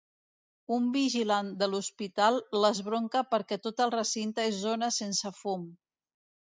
Un vigilant de l'hospital l'esbronca perquè tot el recinte és zona sense fum.